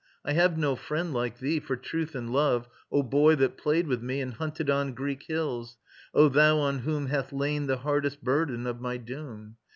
I have no friend like thee For truth and love, O boy that played with me, And hunted on Greek hills, O thou on whom Hath lain the hardest burden of my doom!